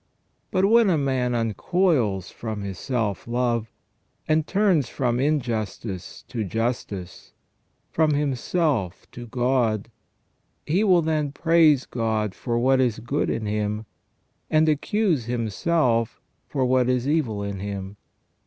But when a man uncoils from his self love, and turns from injustice to justice, from himself to God, he will then praise God for what is good in him, and accuse himself for what is evil in him.